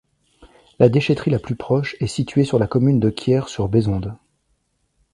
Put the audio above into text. La déchèterie la plus proche est située sur la commune de Quiers-sur-Bezonde.